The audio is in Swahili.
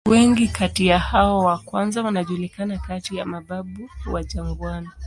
Wengi kati ya hao wa kwanza wanajulikana kati ya "mababu wa jangwani".